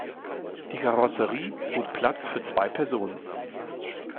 Die Karosserie bot Platz für zwei Personen.